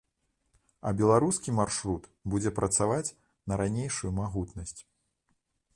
А беларускі маршрут будзе працаваць на ранейшую магутнасць.